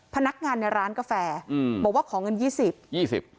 พนักงานในร้านกาแฟอืมบอกว่าขอเงินยี่สิบยี่สิบ